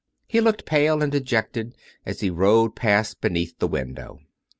He looked pale and dejected as he rode past beneath the window.